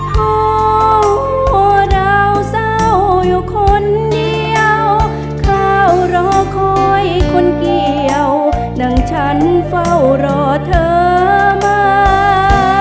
พอดาวเศร้าอยู่คนเดียวคราวรอคอยคนเกี่ยวดังฉันเฝ้ารอเธอมา